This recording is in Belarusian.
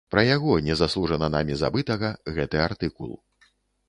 Пра яго, незаслужана намі забытага, гэты артыкул.